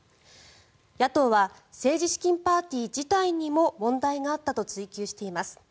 野党は政治資金パーティー自体にも問題があったと追及しています。